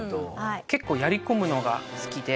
結構やり込むのが好きで。